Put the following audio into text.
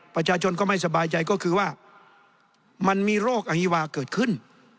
ประชาชนก็ไม่สบายใจก็คือว่ามันมีโรคอฮีวาเกิดขึ้น